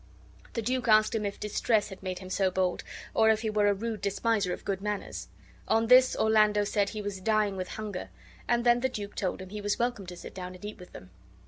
The duke asked him if distress had made him so bold or if he were a rude despiser of good manners. On this Orlando said he was dying with hunger; and then the duke told him he was welcome to sit down and eat with them.